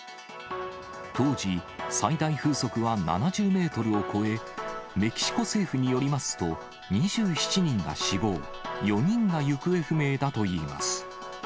当時、最大風速は７０メートルを超え、メキシコ政府によりますと、２７人が死亡、４人が行方不明だといいます。